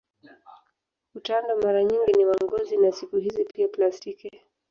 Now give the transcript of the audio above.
Utando mara nyingi ni wa ngozi na siku hizi pia plastiki.